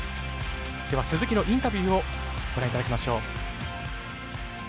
では鈴木のインタビューをご覧いただきましょう。